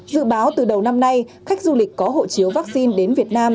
dự báo từ đầu năm nay khách du lịch có hộ chiếu vaccine đến việt nam